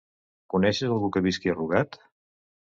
Coneixes algú que visqui a Rugat?